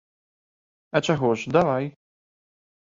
А чаго ж, давай.